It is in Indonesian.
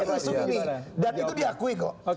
kalau isu ini dan itu diakui kok